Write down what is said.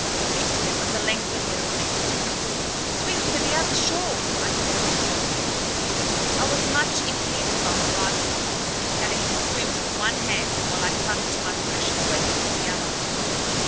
Victory was a length ahead of me. "Swim for the other shore!" I called to her. I was much impeded by my rifle, having to swim with one hand while I clung to my precious weapon with the other.